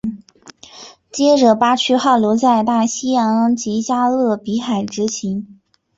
接着巴区号留在大西洋及加勒比海执勤。